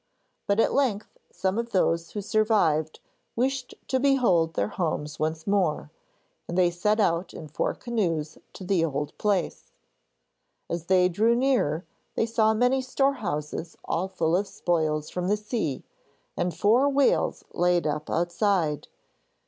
But at length some of those who survived, wished to behold their homes once more, and they set out in four canoes to the old place. As they drew near, they saw many storehouses all full of spoils from the sea, and four whales laid up outside.